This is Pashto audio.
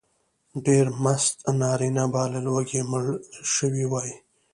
ډېر مست نارینه به له لوږې مړه شوي وای.